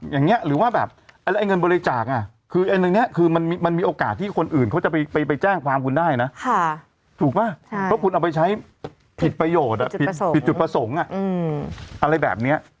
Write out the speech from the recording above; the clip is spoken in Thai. อย่างนี้หรือว่าแบบเงินบริจาคคือไอ้ตรงนี้คือมันมีโอกาสที่คนอื่นเขาจะไปแจ้งความคุณได้นะถูกป่ะเพราะคุณเอาไปใช้ผิดประโยชน์ผิดจุดประสงค์อะไรแบบนี้